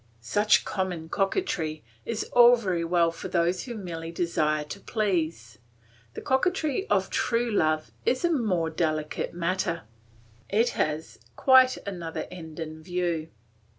Such common coquetry is all very well for those who merely desire to please. The coquetry of true love is a more delicate matter; it has quite another end in view.